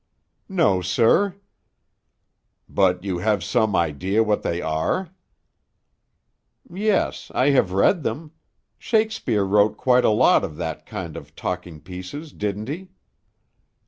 "No, sir." "But you have some idea what they are?" "Yes. I have read them. Shakespeare wrote quite a lot of that kind of talking pieces, didn't he?"